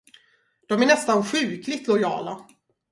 De är nästan sjukligt lojala.